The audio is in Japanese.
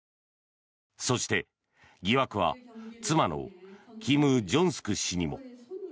そして、疑惑は妻のキム・ジョンスク氏にも。